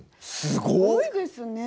すごいですね。